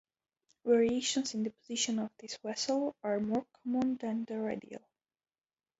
Variations in the position of this vessel are more common than in the radial.